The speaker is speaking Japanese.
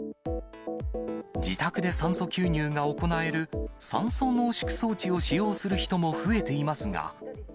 自宅で酸素吸入が行える酸素濃縮装置を使用する人も増えていますが。